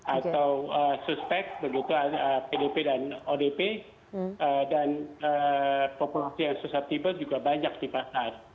atau suspek pdp dan odp dan populasi yang sustaible juga banyak di pasar